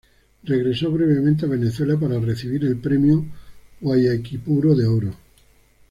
Regresó brevemente a Venezuela para recibir el Premio Guaicaipuro de Oro.